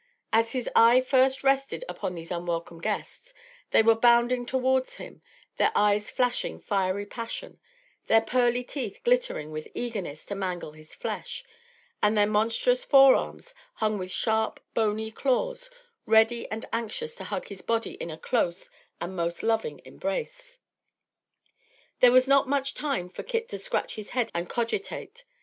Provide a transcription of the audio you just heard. As his eye first rested upon these unwelcome guests, they were bounding towards him, their eyes flashing fiery passion, their pearly teeth glittering with eagerness to mangle his flesh, and their monstrous fore arms, hung with sharp, bony claws, ready and anxious to hug his body in a close and most loving embrace. There was not much time for Kit to scratch his head and cogitate.